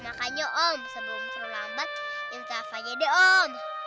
makanya om sebelum terlambat intrafanya deh om